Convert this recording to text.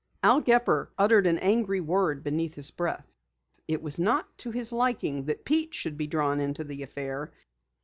Al Gepper uttered an angry word beneath his breath. It was not to his liking that Pete should be drawn into the affair.